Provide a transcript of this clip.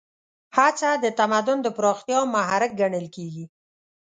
هڅه د تمدن د پراختیا محرک ګڼل کېږي.